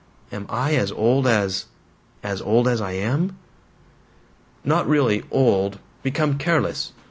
... Am I as old as as old as I am? "Not really old. Become careless.